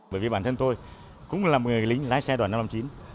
bởi vì bản thân tôi cũng là một người lính lái xe đoàn năm trăm năm mươi chín